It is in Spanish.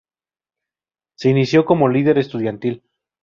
Se inició como líder estudiantil.